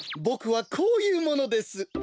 ボクはこういうものです。